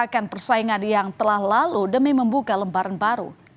akan persaingan yang telah lalu demi membuka lembaran baru